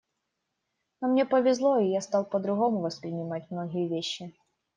Но мне повезло, и я стал по-другому воспринимать многие вещи.